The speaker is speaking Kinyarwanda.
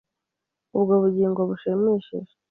Ubwo bugingo bushimishije